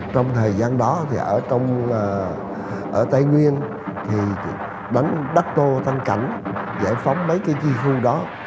trong thời gian đó thì ở tây nguyên thì vẫn đắc tô thăng cảnh giải phóng mấy cái chi khu đó